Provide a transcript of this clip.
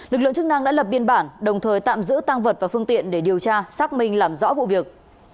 lực lượng chức năng đã lập biên bản đồng thời tạm giữ tăng vật và phương tiện để điều tra xác minh làm rõ vụ việc